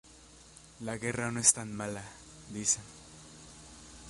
La guerra no es tan mala, dicen.